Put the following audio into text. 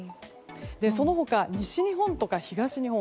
その他、西日本とか東日本